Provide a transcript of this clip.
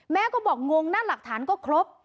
แม่ก็บอกงงนะหลักฐานก็ครบ